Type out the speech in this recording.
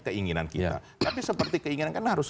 keinginan kita tapi seperti keinginan kan harus